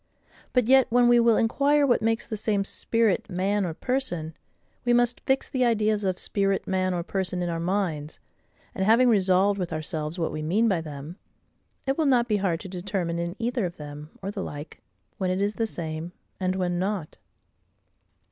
But yet, when we will inquire what makes the same SPIRIT, MAN, or PERSON, we must fix the ideas of spirit, man, or person in our minds; and having resolved with ourselves what we mean by them, it will not be hard to determine, in either of them, or the like, when it is the same, and when not.